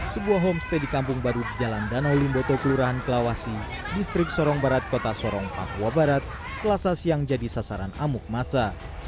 sebuah homestay di kampung baru di jalan danau limboto kelurahan kelawasi distrik sorong barat kota sorong papua barat selasa siang jadi sasaran amuk masa